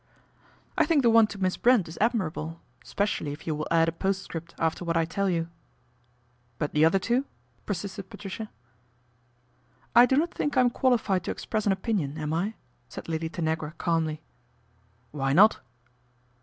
" I think the one to Miss Brent is admirable, specially if you will add a postscript after what I tell you." " But the other two," persisted Patricia. " I do not think I am qualified to express an opinion, am I ?" said Lady Tanagra calmly. :< Why not